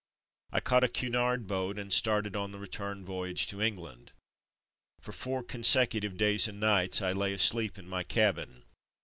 I caught a Cunard boat, and started on the return voyage to England. For four consecutive days and nights I lay asleep in my cabin.